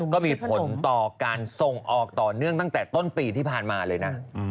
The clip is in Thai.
ก็มีผลต่อการส่งออกต่อเนื่องตั้งแต่ต้นปีที่ผ่านมาเลยนะ